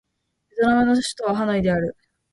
ベトナムの首都はハノイである